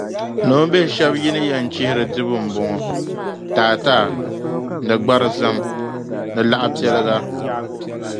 Noombihi shɛb’ yi ni yɛn chihiri dibu m-bɔŋɔ: taataa ni gbarizam ni laɣipiɛliga.